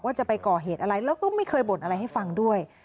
จะไปก่อเหตุอะไรแล้วก็ไม่เคยบ่นอะไรให้ฟังด้วย